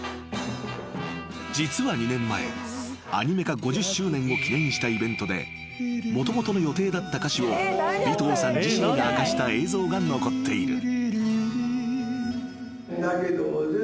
［実は２年前アニメ化５０周年を記念したイベントでもともとの予定だった歌詞を尾藤さん自身が明かした映像が残っている］